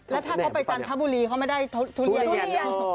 แล้วถ้าเขาไปจัดทะบุรีเขาไม่ได้ทูเลียน